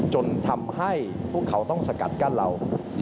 จนทำให้พวกเขาต้องสกัดกั้นเรา